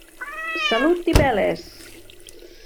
Salut i peles!